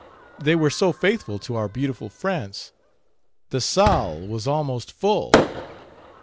"They were so faithful to our beautiful France! The salle was almost full!"